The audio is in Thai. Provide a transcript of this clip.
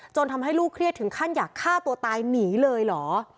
ทำให้ลูกเครียดถึงขั้นอยากฆ่าตัวตายหนีเลยเหรอ